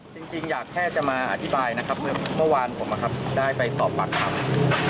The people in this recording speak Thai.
จริงอยากแค่จะมาอธิบายนะครับเหมือนเมื่อวานผมได้ไปสอบปากคำ